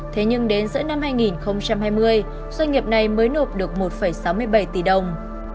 thế nhưng đến giữa năm hai nghìn hai mươi doanh nghiệp này mới nộp được một sáu mươi bảy tỷ đồng